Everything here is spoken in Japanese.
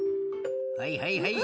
はいはいはい。